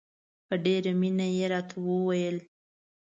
په ډېره مینه یې راته وویل.